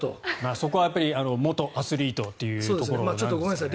そこはやっぱり元アスリートというところもあるんですね。